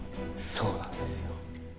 そうなんですよ。